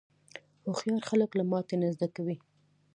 هوښیار خلک له ماتې نه زده کوي.